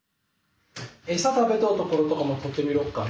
餌食べとうところとかも撮ってみろっか。